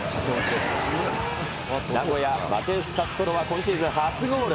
名古屋、マテウス・カストロは今シーズン初ゴール。